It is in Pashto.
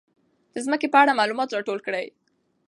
د ځمکې په اړه معلومات راټول کړئ.